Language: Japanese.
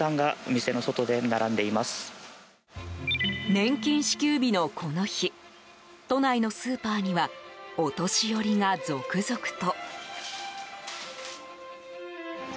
年金支給日のこの日都内のスーパーにはお年寄りが続々と。